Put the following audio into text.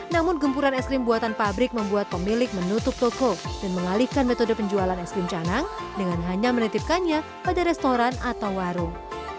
namun gempuran es krim buatan pabrik membuat pemilik menutup toko dan mengalihkan metode penjualan es krim canang dengan hanya menitipkannya pada restoran atau warung